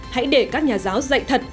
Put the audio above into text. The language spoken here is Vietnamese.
hãy để các nhà giáo dạy thật